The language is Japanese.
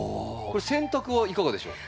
これ洗濯はいかがでしょう？